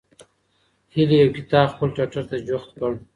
هیلې یو کتاب خپل ټټر ته جوخت کړ.